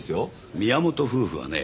宮本夫婦はね